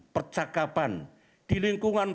percakapan di lingkungan